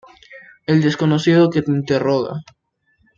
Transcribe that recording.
El desconocido que te interroga.